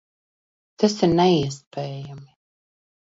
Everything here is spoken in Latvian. Tas ir neiespējami!